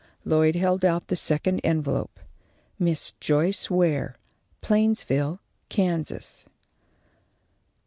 Lloyd held out the second envelope. _Miss Joyce Ware, Plainsville, Kansas.